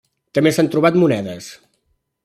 També s'han trobat monedes.